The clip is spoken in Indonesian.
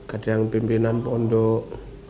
ada yang pimpinan pondok